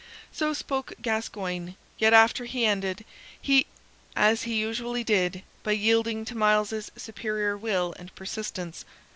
So spoke Gascoyne, yet after all he ended, as he usually did, by yielding to Myles's superior will and persistence.